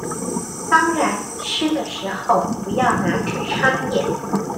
當然濕的時候不要拿去插電